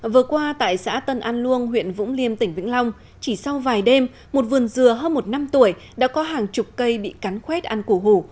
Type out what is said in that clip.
vừa qua tại xã tân an luông huyện vũng liêm tỉnh vĩnh long chỉ sau vài đêm một vườn dừa hơn một năm tuổi đã có hàng chục cây bị cắn khuét ăn cổ hù